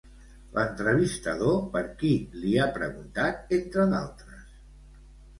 L'entrevistador per qui li ha preguntat, entre d'altres?